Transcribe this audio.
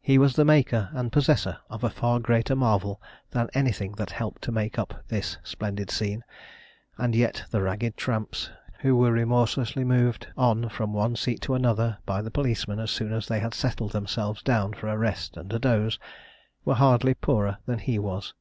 He was the maker and possessor of a far greater marvel than anything that helped to make up this splendid scene, and yet the ragged tramps who were remorselessly moved on from one seat to another by the policemen as soon as they had settled themselves down for a rest and a doze, were hardly poorer than he was.